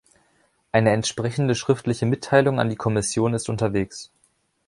Eine entsprechende schriftliche Mitteilung an die Kommission ist unterwegs.